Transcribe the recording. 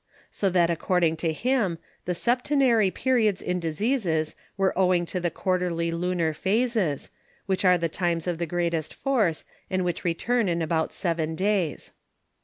So that according to him, the Septenary Periods in Diseases are owing to the Quarterly Lunar Phases, which are the times of the greatest Force, and which return in about seven days.